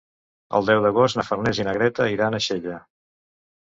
El deu d'agost na Farners i na Greta iran a Xella.